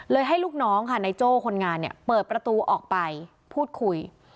ให้ลูกน้องค่ะนายโจ้คนงานเนี่ยเปิดประตูออกไปพูดคุย